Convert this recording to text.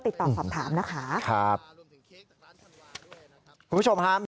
ติดต่อสอบถามนะคะครับคุณผู้ชมฮะมี